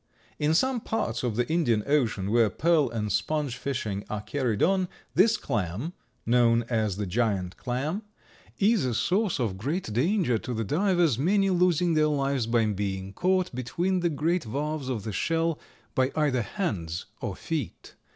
In some parts of the Indian Ocean, where pearl and sponge fishing are carried on, this clam (known as the giant clam), is a source of great danger to the divers, many losing their lives by being caught between the great valves of the shell, by either hands or feet.